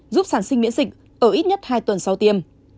giúp sản sinh miễn dịch ở ít nhất hai tuần sau tiêm